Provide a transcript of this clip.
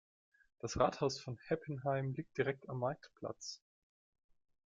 Das Rathaus von Heppenheim liegt direkt am Marktplatz.